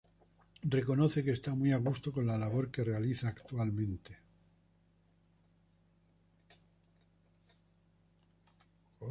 Reconoce que está muy a gusto con la labor que realiza actualmente.